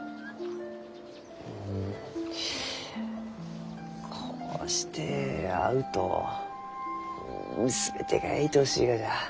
うんこうして会うとう全てがいとおしいがじゃ。